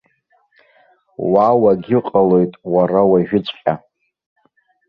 Уа уагьыҟалоит уара уажәыҵәҟьа!